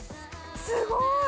すごい。